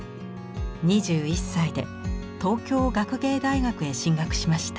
２１歳で東京学芸大学へ進学しました。